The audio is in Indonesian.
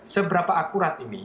seberapa akurat ini